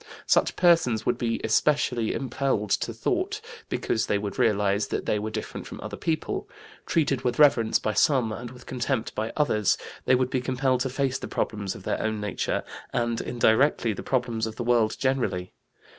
Such persons would be especially impelled to thought, because they would realize that they were different from other people; treated with reverence by some and with contempt by others, they would be compelled to face the problems of their own nature and, indirectly, the problems of the world generally.